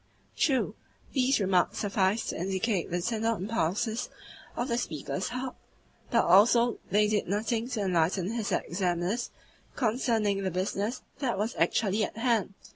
True, these remarks sufficed to indicate the tender impulses of the speaker's heart, but also they did nothing to enlighten his examiners concerning the business that was actually at hand.